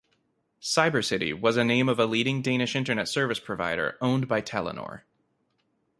Cybercity was a name of a leading Danish internet service provider owned by Telenor.